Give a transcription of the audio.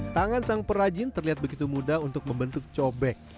tangan sang perajin terlihat begitu mudah untuk membentuk cobek